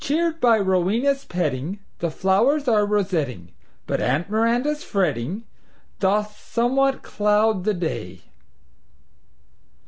Cheered by Rowena's petting, The flowers are rosetting, But Aunt Miranda's fretting Doth somewhat cloud the day."